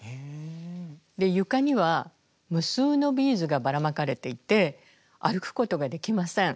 床には無数のビーズがばらまかれていて歩くことができません。